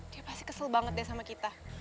dia pasti kesel banget deh sama kita